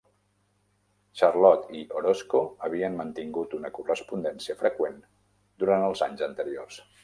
Charlot i Orozco havien mantingut una correspondència freqüent durant els anys anteriors.